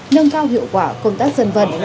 nâng cao hiệu quả công tác dân vật